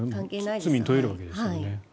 罪に問えるわけですよね。